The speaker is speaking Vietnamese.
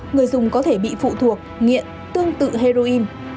người dùng có thể bị phụ thuộc nghiện tương tự heroin